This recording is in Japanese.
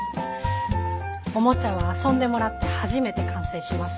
おもちゃは遊んでもらって初めて完成します。